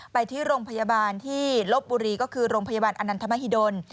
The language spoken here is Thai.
ไปที่โรงพยาบาลที่ลบบุรีก็คือโรงพยาบาลอนันทมหิดล